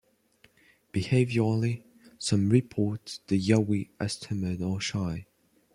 Behaviourally, some report the yowie as timid or shy.